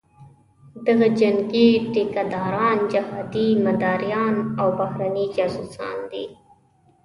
دغه جنګي ټیکه داران، جهادي مداریان او بهرني جاسوسان دي.